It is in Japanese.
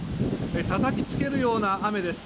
たたきつけるような雨です。